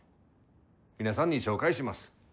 皆さんに紹介します。